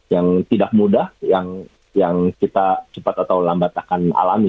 yang tidak mudah yang kita cepat atau lambat akan alami